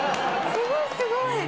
すごいすごい。え